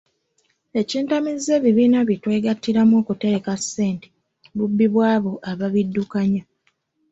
Ekintamizza ebibiina bye twegattiramu okutereka ssente bubbi bw'abo ababiddukanya.